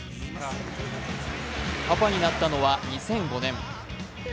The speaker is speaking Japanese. パパになったのは２００５年。